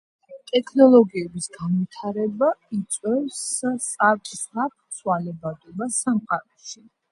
ტექნოლოგიების განვითარება იწვევს სწრაფ-სწრაფ ცვალებადობას სამყაროში